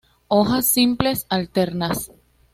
Hojas simples, alternas.